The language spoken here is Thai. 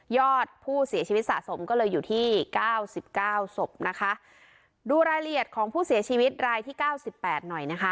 อดผู้เสียชีวิตสะสมก็เลยอยู่ที่เก้าสิบเก้าศพนะคะดูรายละเอียดของผู้เสียชีวิตรายที่เก้าสิบแปดหน่อยนะคะ